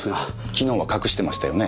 昨日は隠してましたよね